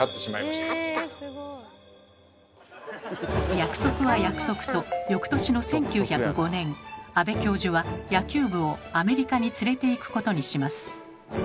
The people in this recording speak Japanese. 約束は約束と翌年の１９０５年安部教授は野球部をアメリカに連れていくことにします。